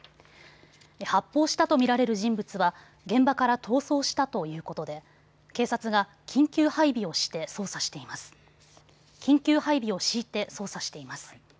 発砲したと見られる人物は現場から逃走したということで警察が緊急配備を敷いて捜査しています。